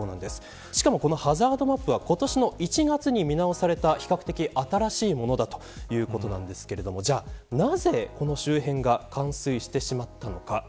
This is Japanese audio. しかもこのハザードマップは今年の１月に見直された比較的、新しいものだということなんですけれどもじゃあ、なぜこの周辺が冠水してしまったのか。